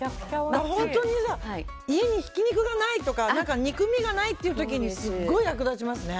本当に家にひき肉がないとか肉みがないっていう時にすごい役立ちますね。